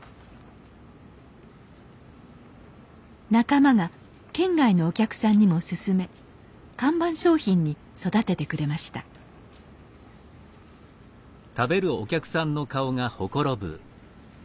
仲間が県外のお客さんにも薦め看板商品に育ててくれましたううん！